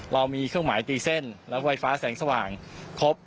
เรามีเครื่องหมายตีเส้นและไฟฟ้าแสงสว่างครบ